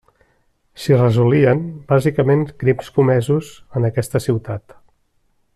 S'hi resolien bàsicament crims comesos en aquesta ciutat.